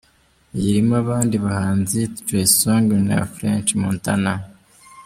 Iyi irimo abandi bahanzi Trey Songz na French Montana.